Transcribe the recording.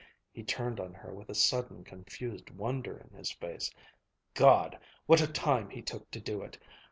He turned on her with a sudden confused wonder in his face. "God! What a time he took to do it!